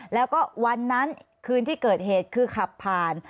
แล้วก็วันนั้นคืนที่เกิดเหตุคือขับผ่าน